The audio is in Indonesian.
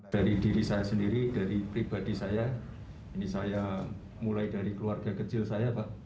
dari diri saya sendiri dari pribadi saya ini saya mulai dari keluarga kecil saya pak